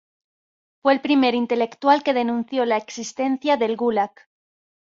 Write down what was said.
Fue el primer intelectual que denunció la existencia del Gulag.